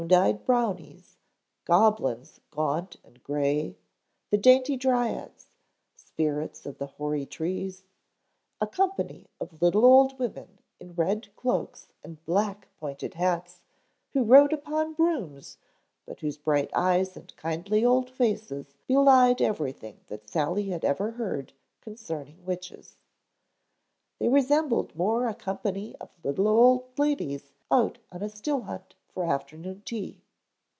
] Round eyed Brownies, goblins gaunt and gray; the dainty dryads, spirits of the hoary trees; a company of little old women in red cloaks and black, pointed hats, who rode upon brooms, but whose bright eyes and kindly old faces belied everything that Sally had ever heard concerning witches. They resembled more a company of little old ladies out on a still hunt for afternoon tea.